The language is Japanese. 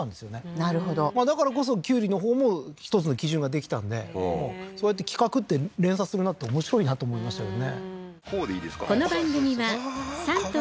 なるほどだからこそきゅうりのほうも一つの基準ができたんでそうやって規格って連鎖するなって面白いなと思いましたよね